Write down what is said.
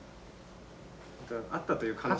あったという可能性が。